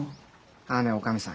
あのね女将さん